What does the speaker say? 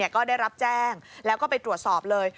ก็ได้รับแจ้งแล้วก็ไปตรวจสอบเลย